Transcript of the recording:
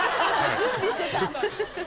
準備してた。